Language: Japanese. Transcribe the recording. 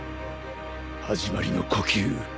始まりの呼吸。